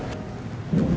gimana kamu udah siap